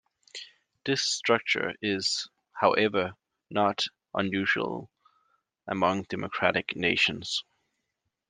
This structure is, however, not unusual among democratic nations.